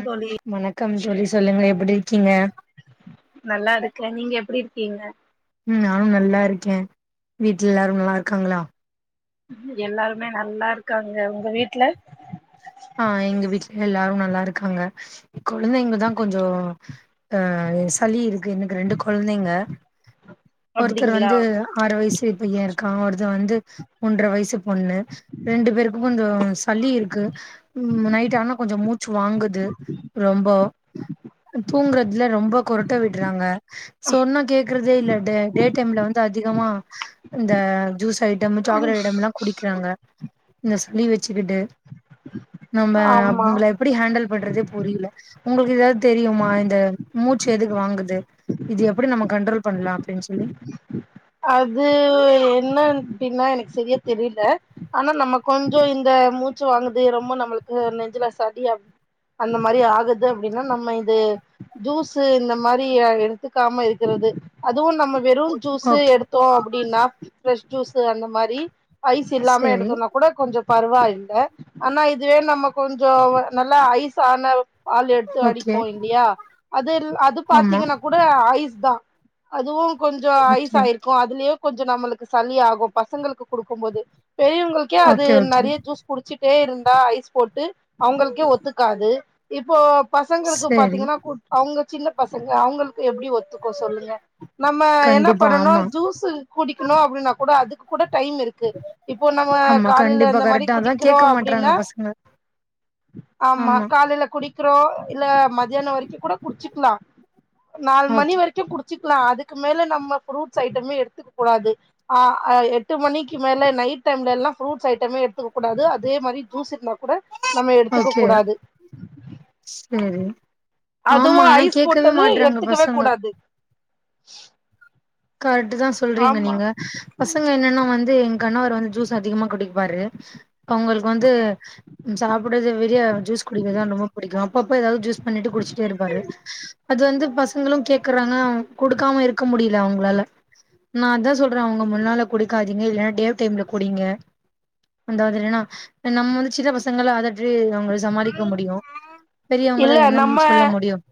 ம் வணக்கம் தோழி சொல்லுங்க எப்டி இருக்கீங்க நல்லா இருக்க நீங்க எப்டி இருக்கீங்க ம் நானும் நல்லா இருக்கே வீட்ல எல்லாரு நல்லா இருக்காங்களா எல்லாருமே நல்லா இருக்காங்க உங்க வீட்ல ஆ எங்க வீட்ல எல்லாரு நல்லா இருக்காங்க கொழந்தைங்கதா கொஞ்சோ ஆ சளி இருக் கு எனக்கு ரெண்டு கொழந்தைங்க ஒருத்தர் அப்டிங்களா வந்து ஆறு வைசு பைய இருக்கா ஒருத்த வந்து ஒன்ற வைசு பொண்ணு ரெண்டு பேருக்கு கொஞ்சோ சளி இருக்கு ம் நைட்டு ஆனா கொஞ்சோ மூச்சு வாங்குது ரொம்போ தூங்குறதுல ரொம்ப கொரட்ட விட்றாங்க சொன்னா கேக்றதே இல்ல ட டே டைம்ல வந்து அதிகமா இந்த ஜூஸ் ஐ ட்டம் சாக்லேட் ஐட்டம்லா குடிக்கிறாங்க இந்த சளி வெச்சுக்கிட்டு நம்ம ஆமா அவ்ங்கள எப்டி ஹாண்டில் பண்றதே புரிய்ல உங்களுக்கு ஏதாவ் தெரியுமா இந்த மூச்சு எதுக்கு வாங்குது இது எப்டி நம்ம கண்ட்ரோல் பண்லா அப்டின் சொல்லி அது என்ன அப்பின்னா எனக் செரியா தெரிய்ல ஆனா நம்ம கொஞ்சொ இந்த மூச்சு வாங்குது ரொம்ப நம்மளுக்கு நெஞ்சுல சளி அ அந்த மாரி ஆகுது அப்டின்னா நம்ம இது ஜூஸு இந்த மாரி அ எடுத்துக்காம இருக்குறது அதுவு நம்ம வெறு ஜூ ஸு ஓகே எடுத்தோ அப்டின்னா ஃப்ரெஷ் ஜூஸு அந்த மாரி ஐஸ் இல்லாம சரி எடுத்தோன்னாக் கூட கொஞ்சொ பருவா இல்ல ஆனா இதுவே நம்ம கொஞ்சொ நல்லா ஐஸ் ஆன பால் எடுத்து ஓகே அடிப்போ இல்லியா அது இல் அது ஆமா பாத்தீங்கன்னா கூட ஐஸ் தா அதுவு கொஞ்சொ ஐஸ் ஓகே இருக்கு அதுலயு கொஞ்சொ நம்மளுக்கு சளி ஆகும் பசங்களுக்கு குடுக்கும் போது பெரியவங்களுக் கே அது ஓகே ஓகே நறைய ஜூஸ் குடிச்சிட்டே இருந்தா ஐஸ் போட்டு அவுங்களுக்கே ஒத்துக்காது இப்போ பசங்களுக்கு சரி பாத்தீங்கன்னா கு அவுங்க சின்ன பசங்க அவங்களுக்கு எப்டி ஒத்துக்கு சொல்லுங்க நம்ம என்னா கண்டிப்பா பண்ணணு ஆமா ஜூஸு குடிக்கிணு அப்டின்னாக் கூட அதுக்கு கூட டைம் இரு க்கு இப்போ நாங்க ஆமா காலைல கண்டிப்பா இந்த மாரி கரெக்டா அதா குடிக்கிறோ கேட்க மாட்றாங்க அப்டின்னா பசங்க ஆமா காலைல குடி க்றோ இல்ல மத்யானொ வரைக்கு கூட குடிச்சிக்லா நாலு மணி ஓகே வரைக் கு குடிச்சிக்லா அதுக்கு மேல நம்ம ஃப்ரூட்ஸ் ஐட்டமே எடுத்துக்கக் கூடாது ஆ அ எட்டு மணிக்கி மேல நை ட்டைம்லேல்லா ஃப்ரூட்ஸ் ஐட்டமே எடுத்துக்கக் கூடாது அதே மாரி ஜூஸ் இருந்தா கூட நம்ம எடுத்துக்கக் கூடாது சேரி அதுவு ஐஸ் போட்டது எடுத்துக்கவே பசங்க கூடாது கரட்டுதா சொல்றீங்க ஆமா நீங்க பசங்க என்னன்னா வந்து எங்கணவர் வந் ஜூஸ் அதிகமா குடிப்பாரு அவ்ங்களுக்கு வந்து சாப்புட்றது விடிய ஜூஸ் குடிக்கிறதுதா ரொம்ப புடிக்கு அப்பப்ப ஏதாவ்து ஜூஸ் பண்ணிட்டு குடிச்சிட்டே இருப்பாரு அது வந்து பசங்களு கேக்குறாங்க அவ்ங் குடுக்காம இருக்க முடி இல்ல அவுங்களால நா அதா சொல்றே அவுங்க முன்னால குடிக்காதீங்க இல்லன்னா டே டைம்ல குடிங்க ரெண்டாவது என்னனா நம்ம வந்து சின்ன பசங்கள அதட் ட்று அவுங்கள சமாளிக்க முடியு இல்ல பெரியவங்கள என்ன நம்ம சொல்ல முடியும்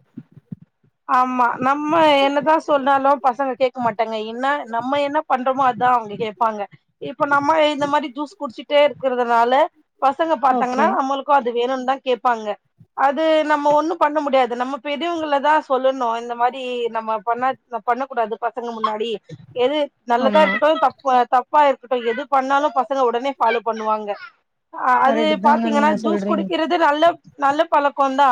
ஆமா நம்ம என்னதா சொன்னாலு பசங்க கேக்க மாட்டாங்க என்னா நம்ம என்ன பண்றோமோ அதா அவுங்க கேப்பாங்க இப்ப நம்ம இந்த மாறி ஜூஸ் குடிச்சிட்டே இருக்கிறதுனால பசங்க ஓகே பாத்தாங்கன்னா அம்மளுக் கு அது வேணுனு தா கேப்பாங்க அது நம்ம ஒண்ணு பண்ண முடியாது நம்ம பெரியவங்கள தா ஸ் சொல்லணு இந்த மாரி நம்ம பண்ண பண்ணக்கூடாது பசங்க முன்னாடி எது நல்லதா ஆமா இருக்கட்டு தப் தப்பா இருக்ட்டு எது பண்ணாலு பசங்க உடனே பாலோ பண்ணுவாங்க அது கரெக்ட் தாங்க பாத்தீங்கன்னா நீங்க ஜூஸ் சொல்றீங்க குடிக்கிறது நல்லப் நல்ல பழக்கோ தா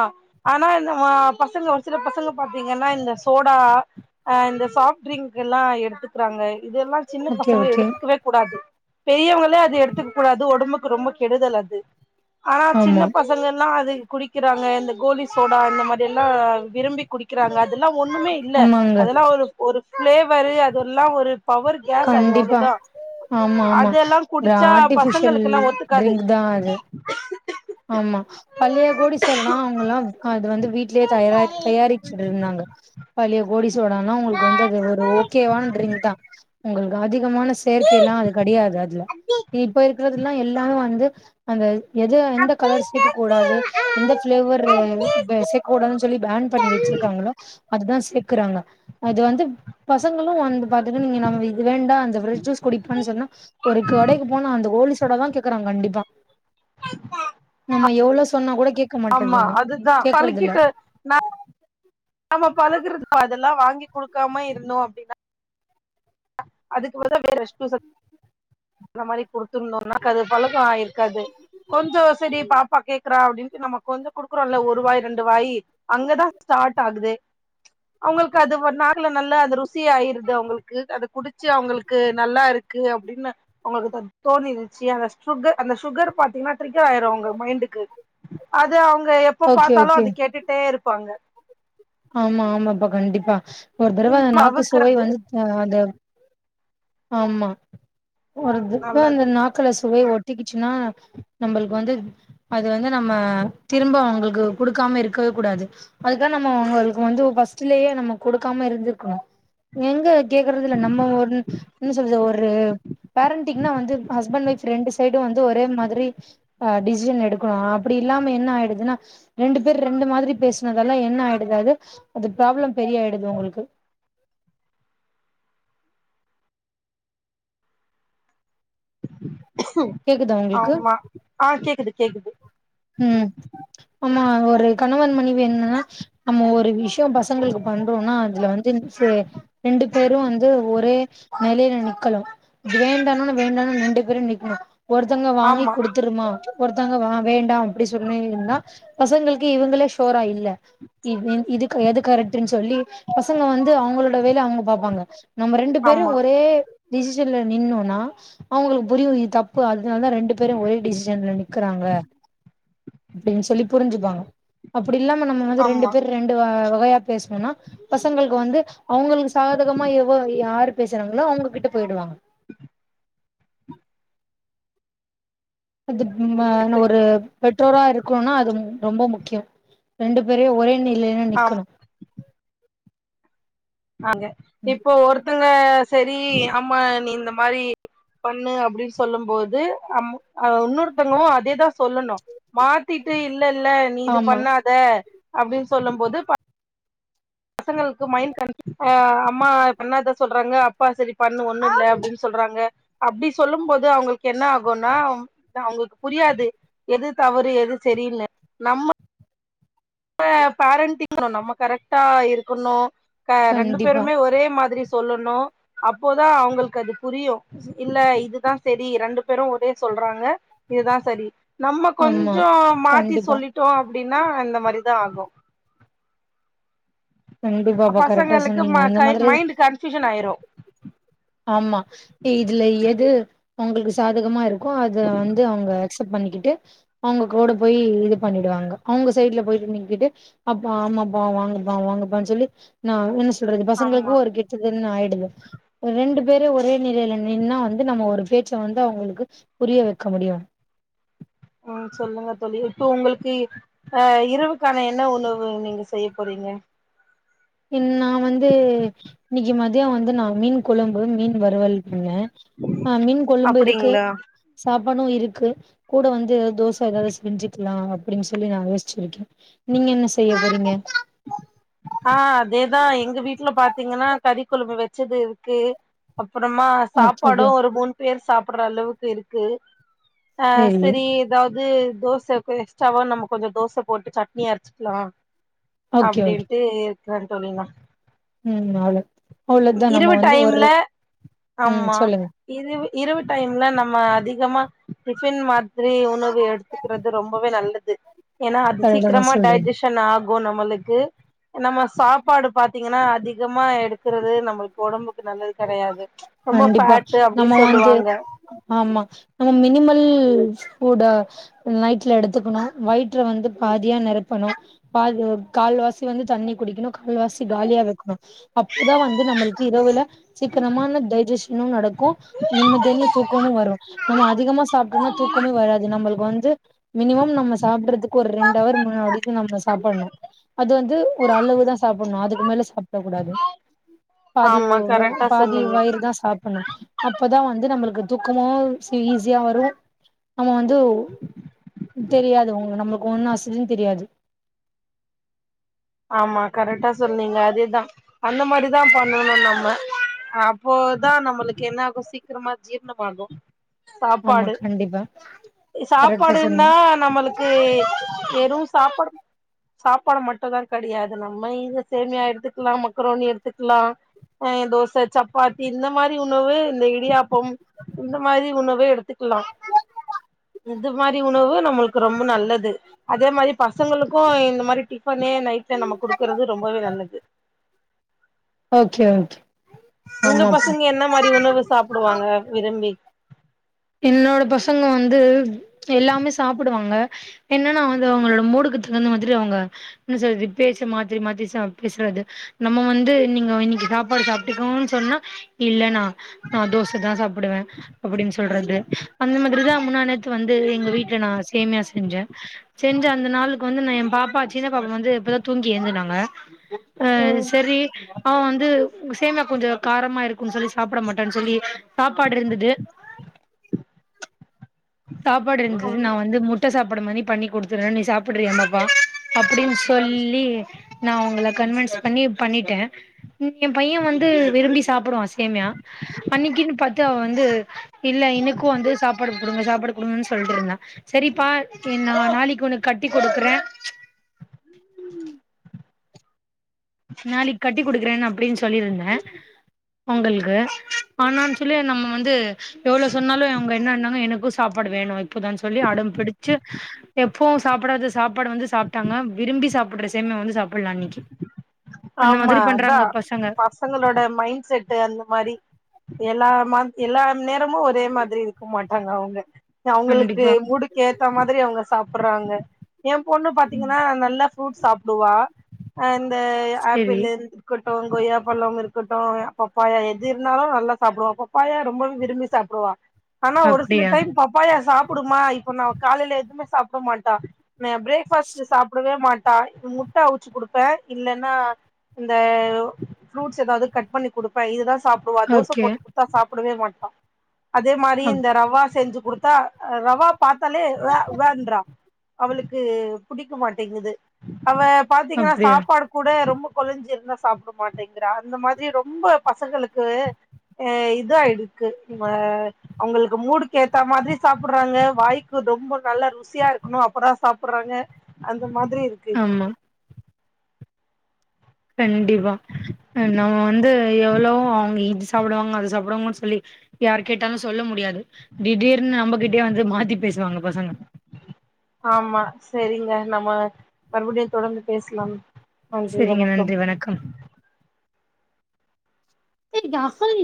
ஆனா ஆ பசங்க ஒரு சில பசங்க பாத்தீங்கன்னா இந்த சோடா இந்த சாப்ட்ரிங்க் எல்லா எடுத்துக்கிறாங்க இதெல்லா சின்ன ஓகே பசங்க ஓகே எடுத்துக்கவே கூடாது பெரியவங்களே அது எடுத்துக்க கூடாது உடம்புக்கு ரொம்ப கெடுதல் அது ஆனா சின்ன ஆமா பசங்க எல்லா அது குடிக்கிறாங்க இந்த கோலி சோடா இந்த மாரி எல்லா விரும்பி குடிக்கிறாங்க அதெல்லா ஒண்ணுமே இல்ல ஆமாங்க அதெல்லா ஒரு ஒரு பிளேவரு அதெல்லா ஒரு பவர் கேஸ் அது கண்டிப்பா அவ்ளோதா ஆமா ஆமா அதெல்லா ஒரு குடிச்சா ஆர்ட்டிபிஷியல் பசங்களுக்கெல்லா ஒத்துக்காது ட்ரிங்க் தா அது ஆமா பள்ளைய கோடி சொரனா அவங்கல்லாம் அது வந்து வீட்லயே தயார தயாரி சிருந்தாங்க பழிய கோடி சோடனா அவுங்களுக்கு வந்து அது ஒரு ஓகேவானட்ரிங் தா உங்களுக்கு அதிகமான செயற்கே எல்லா அது கிடையாது அதுல இப்ப இருக்கறிது எல்லா எல்லாரு வந்து அந்த எது எந்த கலர் சிகு கூடாது எந்த பிளேவர்ரு சேக்க கூடாதுன் சொல்லி பேன் பண்ணி வச்சிருக்காங்களோ அதுதா சேக்குறாங்க அது வந்து பசங்களு வந் பாத்திங் இது வேண்டா அந்த ஃப்ரெஷ் ஜூஸ் குடிப்பனு சொன்னா ஒரு கெடக்கி போனா அந்த கோலி சோட தா கேக்குறா கண்டிப்பா [unintelligible] நம்ம எவ்ளோ சொன்னா கூட கேக்க ஆமா மாட்றதுல்ல அதுதா கேக்குறதுல்ல நம்ம பழகுறதுக்கா அதெல்லா வாங்கி குடுக்காம இருந்தோ அப்டின்னா அதுக்கு பத வேற ஜூஸ அந்த மாறி குடுத்திருந்தோனா கது பழக்கோ ஆயிருக்காது கொஞ்ச செரி பாப்பா கேக்குறா அப்டின்னுட்டு நம கொஞ்சோ குடுக்குறோல்ல ஒருவாய் ரெண்டு வாய் அங்கதா ஸ்டார்ட் ஆகுதே அவுங்களுக்கு அது நாக்குல நல்ல அந்த ருசி ஆயிருது அவுங்களுக் கு அத குடுச்சு அவுங்களுக்கு நல்லா இருக்கு அப்டின்னு உங்களுக்கு அது தோணிருச்சு அந்த சுகர் அந்த சுகர் பாத்தீங்கன்னா ட்ரிக்கர் ஆயிரு உங்க மைண்டுக்கு அது அவுங்க ஓகே எப்பப்பாத்தாலு ஓகே அத கேட்டுட்டே இருப்பாங்க ஆமா ஆமாப்பா கண்டிப்பா ஒரு தடவ அது நாக்கு சுவை அவுக்குறது வந்து அது ஆமா ஒருதுடவ அந்த நல்லது நாக்குல சுவை ஒட்டிக்குச்சுன்னா நம்பளுக்கு வந்து அது வந்து நம்ம திரும்ப அவுங்களுக்கு குடுக்காம இருக்கவே கூடாது அதுக்கான் நம்ம உங்களுக்கு வந்து ஃபஸ்ட்லயே நம்ம குடுக்காம இருந்திருக்கணு எங்க கேக்குறதுல்ல நம்ம ஒன்னு சொல்றது ஒரு பேரண்டிங்னா வந்து ஹஸ்பண்ட் ஒய்ப் ரெண்டு சைடு வந்து ஒரே மாதிரி டிஷ்ஷன் எடுக்கணு அப்டி இல்லாம என்ன ஆயிடுதுனா ரெண்டு பேர் ரெண்டு மாதிரி பேசுனதெல்லா என்ன ஆயிடுது அது அது ப்ராப்ளம் பெரிய ஆயிடுது உங்களுக்கு கேக்குதா உங்களுக்கு ஆமா ஆ கேக்குது கேக்குது ம்ம் ஆமா ஒரு கணவன் மனைவி என்னன்னா நம்ம ஒரு விஷியோ பசங்களுக்கு பண்றோனா அதுல வந்து செரி ரெண்டு பேரு வந்து ஒரே நெலையில நிக்கல வேண்டாணானு வேண்டாணானு ரெண்டு பேரு நிக்கணு ஒருத்தங்க வாங்கி ஆமா குடுத்துருமா ஒருத்தங்க வா வேண்டாம் அப்படி சொன்னியிருந்தா பசங்களுக்கு இவங்களே ஷோரா இல்ல இ இ இது எது கரெக்டுன்னு சொல்லி பசங்க வந்து அவுங்களோட வேல அவுங்க பாப்பாங்க நம்ம ரெண்டு பேரு ஆமா ஒரே டிசிஷன்ல நின்னோனா அவங்களுக்கு புரியும் இது தப்பு அதனால தா ரெண்டு பேரு ஒரே டிசிஷன்ல நிக்குறாங்க அப்டின் சொல்லி புரிஞ்சுப்பாங்க அப்டி இல்லாம நம்ம வந்து ரெண்டு ஆமா பேர் ரெண்டு வ வகையா பேசுனோனா பசங்களுக்கு வந்து அவங்களுக்கு சாதகமா எவ்வோ யாரு பேசுறாங்களோ அவங்ககிட்ட போயிடுவாங்க திட்மனு ஒரு பெற்றோரா இருக்கோனா அது ரொம்ப முக்கியோ ரெண்டு பேரயு ஒரே நிலையில ஆமா நிக்கணு ஆங்க இப்போ ஒருத்தங்க சரி அம்மா நீ இந்த மாரி பண்ணு அப்பிடின் சொல்லும் போது அம் அ இன்னொருத்தவங்களு அதேதா சொல்லணு மாத்திட்டு இல்ல இல்ல நீ இது ஆமா பண்ணாத அப்டின் சொல்லும் போது பசங்களுக்கு மைண்ட் [inaudible] அ அம்மா பண்ணாத சொல்றாங்க அப்பா சரி பண்ணு ஒன்னு இல்ல அப்டின் சொல்றாங்க அப்டி சொல்லும் போது அவங்களுக் என்ன ஆகுன்னா அவங்களுக் புரியாது எது தவறு எது செரினு நம்ம அ பேரண்டிங்ல நம்ம கரெக்ட்டா இருக்கணு க ரெண்டு கண்டிப்பா பேருமே ஒரே மாதிரி சொல்லணு அப்போதா அவங்களுக் அது புரியு இல்ல இதுதா செரி ரெண்டு பேரு ஒரே சொல்றாங்க இதுதா சரி நம்ம ஆமா கொஞ்ஜோ மாத்தி கண்டிப்பா சொல்லிட்டோ அப்டின்னா இந்த மாரிதா ஆகு கண்டிப்பாப்பா கரெக்டா பசங்களுக்கு சொன்னீங்க ம அந்த கை மாதிரி மைண்ட் கன்ஃபியூஷன் ஆயிரு ஆமா இதுல எது உங்களுக்கு சாதகமா இருக்கோ அத வந்து அவுங்க அக்சப்ட் பண்ணிக்கிட்டு அவுங்க கூட போய் இது பண்ணிடுவாங்க அவுங்க சைட்ல போயிட்டு நிங்கிட்டு அப்பா ஆமாப்பா வாங்கப்பா வாங்கப்பான் சொல்லி நா என்ன சொல்றது பசங்களுக்கு ஆமா ஒரு கெட் டதுனு ஆயிடுது ரெண்டு பேரு ஒரே நிலையில நின்னா வந்து நம்ம ஒரு பேச்ச வந்து அவங்களுக்கு புரிய வக்க முடியு ம் சொல்லுங்க தோழி இப்போ உங்களுக்கு அ இரவுக்கான என்ன உணவு நீங்க செய்ய போறீங்க இன் நா வந்து இன்னைக்கு மதியோ வந்து நா மீன் கொழம்பு மீன் வறுவல் பண்ணே ஆ மீன் கொழும்பு இருக்கு அப்டிங்களா சாப்பாடு இருக்கு கூட வந்து தோச ஏதாது செஞ்சுக்கலா அப்படின் சொல்லி நா யோசிச்சுருக்கே நீங்க என்ன செய்ய போறீங்க ஆ அதேதா எங்க வீட்ல பாத்தீங்கன்னா கறி கொழம்பு வச்சது இருக்கு அப்புறமா ஓகே சாப்பாடு ஓகே ஒரு மூணு பேர் சாப்பிடுற அளவுக்கு இருக்கு அ சரி ஏதாது தோச எக்ஸ்ட்ராவா நம்ம கொஞ்சோ தோச போட்டு சட்னிய அரச்சுக்கலா ஓகே ஓகே அப்டின்ட்டு இருக்குறே தோழி நா ம் அவ்ளோ அவ்ளோதா நம்ம இரவு வந்து ஒரு டைம்ல ம் ஆமா சொல்லுங்க இரவு இரவு டைம்ல நம்ம அதிகமா டிஃபன் மா திரி உணவு எடுத்துக்கிறது ரொம்பவே நல்லது ஏனா அது கரெக்டா தா சீக்கிரமா சொல்றீங்க டைஜஸ் டனாகு நம்மளுக்கு நம்ம சாப்பாடு பாத்தீங்கன்னா அதிகமா எடுக்குறது நம்மளுக் உடம்புக்கு நல்லது கெடயாது கண்டிப்பா நம்ம வந்து ஆமா நம்ம மினிமல் கூட நைட்ல எடுத்துக்கணு வயிற்ற வந்து பாதியா நெரப்பணு பாதி கால்வாசி வந்து தண்ணி குடிக்கணு கால்வாசி காலியா வெக்கணு அப்போதா வந்து நம்மளுக்கு இரவுல சீக்கனமான டைஜிஷனு நடக்கு நிம்மதியான தூக்கமும் வரு நம்ம அதிகமா சாப்பிட்டோன்னா தூக்கமே வராது நம்மளுக்கு வந்து மினிமம் நம்ம சாப்பிட்றதுக்கு ஒரு ரெண்டு அவர் முன்னாடி தா நம்ம சாப்பர்ணு அது வந்து ஒரு அளவு தா சாப்பர்ணு அதுக்கு மேல சாப்ட கூடாது பாதி ஆமா ஒவ் கரெக்டா பாதி சொன்னீங்க வயிறு தா சாப்புர்ணு அப்பதா வந்து நம்மளுக்கு தூக்கமும் ஸி ஈஸியா வரு நம்ம வந்து தெரியாது உங்க நம்மளுக்கு ஒண்ணு அசதின்னு தெரியாது ஆமா கரெக்டா சொன்னீங்க அதேதா அந்த மாதிரிதா பண்ணணு நம்ம அப்போதா நம்மளுக்கு என்னாகு சீக்கிரமா ஜீர்ணமாகு ஆமா சாப்பாடு கண்டிப்பா கரெக்டா சாப்பாடுன்னா சொன்னீங்க நம்மளுக் கு வேறு சாப்பாட சாப்பாட மட் டு தா கேடையாது நம்ம இது சேமியா எடுத்துக்கலா மக்ரோனி எடுத்துக்கலா அ தோச சப்பாத்தி இந்த மாரி உணவு இந்த இடியாப்போ இந்த மாரி உணவ எடுத்துக்கலா இந்த மாரி உணவு நம்மளுக்கு ரொம்ப நல்லது அதே மாரி பசங்களுக்கு இந்த மாரி டி பண்ணே நைட்ல நம்ம குடுக்கறது ரொம்பவே நல்லது ஓகே ஓகே உங்க ஆமாப்பா பசங்க என்ன மாதிரி உணவு சாப்பிடுவாங்க விரும்பி என்னோட பசங்க வந்து எல்லாமே சாப்புடுவாங்க என்னன்னா வந்து அவங்களோட மூடுக்கு தகுந்த மாதிரி அவுங்க என்ன சொல்றது பேச மாத்தி மாத்தி சாப் பேசறது நம்ம வந்து நீங்க இன்னைக்கி சாப்பாடு சாப்ட்டுக்கோங்கன் சொன்னா இல்லன்னா நா தோச தா சாப்புடுவே அப்புடின் சொல் றே அந்த மாதிரி தா முன்ன நேத்து வந்து எங்க வீட்ல நா சேமியா செஞ்சே செஞ்ச அந்த நாளுக் கு வந்து நா ஏ பாப்பா சின்ன பாப்பா வந்து இப்பதா தூங்கி ஏழுந்தனாங்க அ ம் செரி அவ வந்து சேமியா கொஞ்சோ காரமா இருக்குன் சொல்லி சாப்புட மாட்டா சொல்லி சாப்பாடு இருந்தது சாப்பாடு இருந்தது நா வந்து மு முட்ட சாப்புட மாரி பண்ணி குடுத்துரு நீ சாப்புடுறீயா பாப்பா அப்டின்னு சொல்லி நா உங்கள கன்வின்ஸ் பண்ணி பண்ணிட்டே எ பைய வந்து விரும்பி சாப்புடுவா சேமியா அன்னைக்கின்னு பாத்து அவ வந்து இல்ல எனக்கு வந்து சாப்பாடு குடுங்க சாப்பாடு கொடுங்கன் சொல்லிட்டு இருந்தா செரிப்பா நா நாளைக்கி உனக்கு கட்டி குடுக்குறே நாளைக்கி கட்டி குடுக்குறே அப்படின்னு சொல்லியிருந்தே உங்களுக்கு ஆன சொல்லி நம்ம வந்து எவ்ளோவு சொன்னாலு அவுங்க என்னன்னாங்க எனக்கு சாப்பாடு வேணு இப்பத சொல்லி அடம்பிடிச்சு எப்பவு சாப்பிடாத சாப்பாடு வந்து சாப்பிட்டாங்க விரும்பி சாப்புட்ற சேமியா வந்து சாப்பலா அன்னைக்கி ஆமா அதா பசங்களோட மைண்ட் செட்டு அந்த மாரி எல்லா மா எல்லா நேரமும் ஒரே மாதிரி இருக்க மாட்டாங்க அவங்க அவங்களுக்கு கண்டிப்பா மூடுக்கு ஏத்த மாதிரி அவங்க சாப்புட்றாங்க எ பொண்ணு பாத்தீங்கன்னா நல்லா ஃப்ரூட்ஸ் சாப்புடுவா ஆ இந்த செரி ஆப்பிளு இருக்கட்டு கொய்யா பழம் இருக்கட்டு பப்பாயா எது இருந்தாலு நல்லா சாப்புடுவா பப்பாயா ரொம்ப விரும்பி சாப்புடுவா ஆனா ஒரு சில அப்டியா டைம் பப்பாயா சாப்புடுமா இப்ப நா காலையில எதுவுமே சாப்புட மாட்டா ந பிரேக் ஃபஸ்ட் சாப்படவே மாட்டா இப்ப முட்ட அவிச் சி குடுப்ப இல்லன்னா இந்த ஃப்ருட்ஸ் எதாவது கட் பண்ணி குடுப்ப இதுதா சாப் டுவா தோசை ஓகே போட்டுக் குடுத்தா சாப்படவே மாட்டா அதே மாரி அப் இந்த ரவா செஞ்சு குடுத்தா ரவா பாத்தாலே வே வே ன்றா அவளுக்கு புடிக்க மாட்டேங்குது அவ பாத்திங்கன்னா அப்டியா சாப்பாடு கூட ரொம்ப கொலஞ்சிருந்தா சாப்ட மாட்டேங்றா அந்த மாதிரி ரொம்ப பசங்களுக்கு ஆ இதாயிடுக்கு இந்த அவங்களுக்கு மூடுக்கு ஏத்த மாதிரி சாப்பிடுறாங்க வாய்க்கு தொம்ப நல்லா ருசியா இருக்கணு அப்பதா சாப்பிடுறாங்க அந்த மாதிரி இருக் ஆமா கண்டிப்பா நம்ம வந்து எவ்வளோ அவங்க இது சாப்பிடுவாங்க அது சாப்பிடுவாங்கன் சொல்லி யார் கேட்டாலு சொல்ல முடியாது திடீர்னு நம்மகிட்டயே வந்து மாத்தி பேசுவாங்க பசங்க ஆமா செரிங்க நம்ம மறுபடியு தொடர்ந்து பேசலாம் நன்றி செரிங்க வணக்கம் நன்றி வணக்கம் ஏ அ சரி